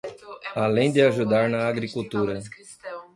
Além de ajudar na agricultura